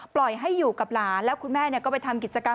ปล่อยให้อยู่กับหลานแล้วคุณแม่ก็ไปทำกิจกรรม